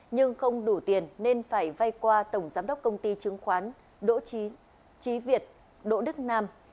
nhưng không đủ tiền nên phải vay qua tổng giám đốc công ty chứng khoán đỗ trí việt đỗ đức nam